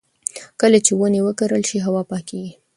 کله چې ونې وکرل شي، هوا پاکېږي.